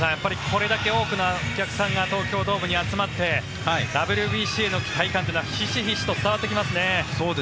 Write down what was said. これだけ多くのお客さんが東京ドームに集まってＷＢＣの期待感がひしひしと高まってきますね。